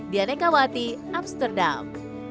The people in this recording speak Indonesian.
dianne kawati amsterdam